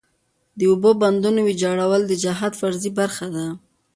د اوبو بندونو ویجاړول د جهاد فریضې برخه ده.